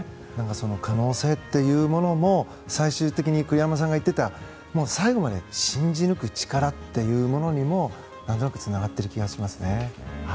その可能性というものも栗山さんが言っていた最後まで信じ抜く力っていうものにもつながっている感じがしますね。